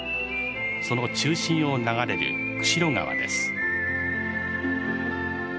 その中心を流れる釧路川です。